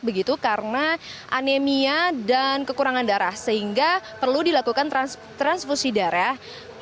begitu karena anemia dan kekurangan darah sehingga perlu dilakukan transfusi darah